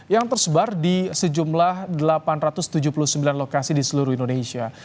yang tersebar di sejumlah delapan ratus tujuh puluh sembilan lokasi di seluruh indonesia